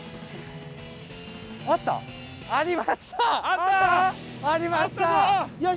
あった？ありました！